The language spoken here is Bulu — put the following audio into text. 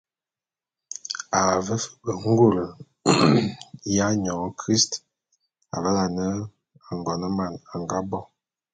A ve fe be ngule ya nyôn christ avale ane Angoneman a nga bo.